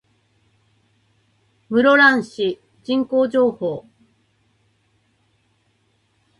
室蘭市人口情報